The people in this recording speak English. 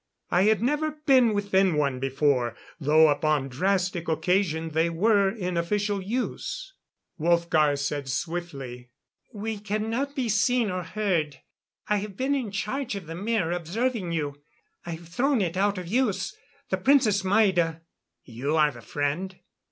I had never been within one before, though upon drastic occasion they were in official use. Wolfgar said swiftly: "We cannot be seen or heard. I have been in charge of the mirror observing you I have thrown it out of use. The Princess Maida " "You are the friend?"